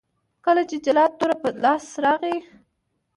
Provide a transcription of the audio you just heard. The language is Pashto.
کله چې جلات توره په لاس راغی.